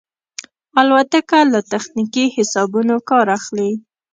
الوتکه له تخنیکي حسابونو کار اخلي.